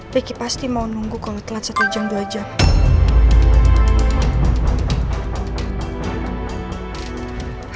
ricky pasti mau nunggu kalau telat satu jam dua jam